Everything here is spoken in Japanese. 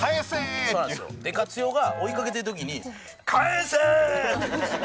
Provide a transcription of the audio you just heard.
でかつよが追いかけてる時に「返せッッ」って言うんですよ。